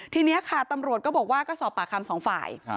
ทีนี้ค่ะตำรวจก็บอกว่าก็สอบปากคำสองฝ่าย